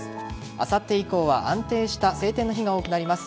あさって以降は安定した晴天の日が多くなります。